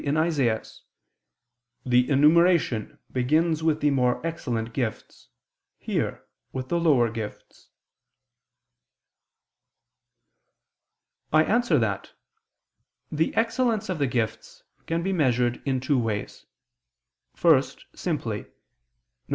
in Isaias) "the enumeration begins with the more excellent gifts, here, with the lower gifts." I answer that, The excellence of the gifts can be measured in two ways: first, simply, viz.